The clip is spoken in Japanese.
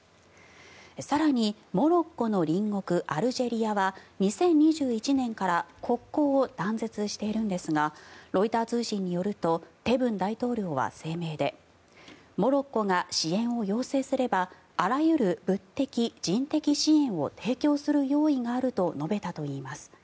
更に、モロッコの隣国アルジェリアは２０２１年から国交を断絶しているんですがロイター通信によるとテブン大統領は声明でモロッコが支援を要請すればあらゆる物的・人的支援を提供する用意があると述べたといいます。